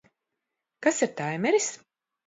Kas ir taimeris?